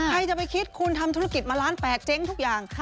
ใครจะไปคิดคุณทำธุรกิจมาล้าน๘เจ๊งทุกอย่าง